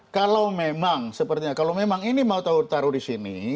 kalau memang ini mau taruh di sini